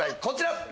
こちら。